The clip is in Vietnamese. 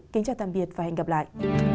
kính chào tạm biệt và hẹn gặp lại